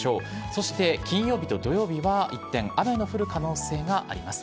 そして金曜日と土曜日は一転、雨の降る可能性があります。